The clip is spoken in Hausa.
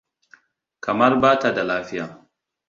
Kamar bata da lafiya.